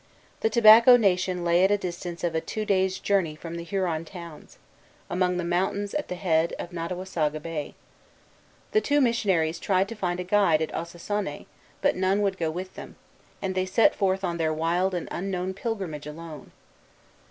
The Tobacco Nation lay at the distance of a two days' journey from the Huron towns, among the mountains at the head of Nottawassaga Bay. The two missionaries tried to find a guide at Ossossané; but none would go with them, and they set forth on their wild and unknown pilgrimage alone.